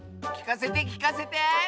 きかせてきかせて！